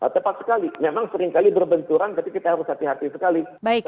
tepat sekali memang seringkali berbenturan tapi kita harus hati hati sekali